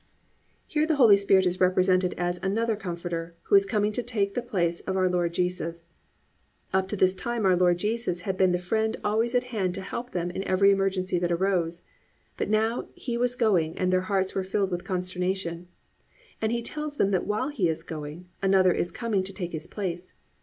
"+ Here the Holy Spirit is represented as another Comforter who is coming to take the place of our Lord Jesus. Up to this time our Lord Jesus had been the friend always at hand to help them in every emergency that arose. But now He was going and their hearts were filled with consternation, and He tells them that while He is going, another is coming to take His place.